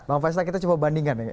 bang faisal kita coba bandingkan ya